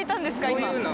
今。